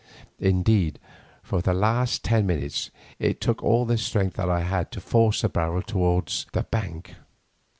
Indeed, for the last ten minutes, it took all the strength that I had to force the barrel along towards the bank.